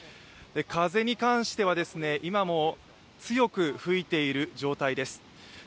風に関しては、今も強く吹いている状態です。